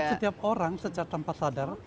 setiap orang tanpa sadar